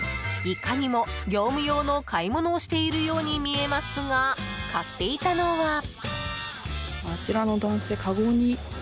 いかにも、業務用に買い物をしているように見えますが買っていたのは。